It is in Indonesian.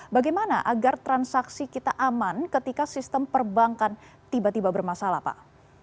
bagaimana agar transaksi kita aman ketika sistem perbankan tiba tiba bermasalah pak